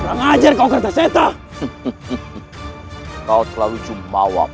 kurang ajar kau kertaseta kau terlalu jumawa